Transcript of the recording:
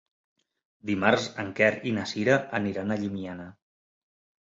Dimarts en Quer i na Sira aniran a Llimiana.